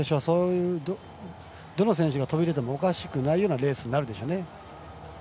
どの選手が飛び出てもおかしくないレースになるでしょうね。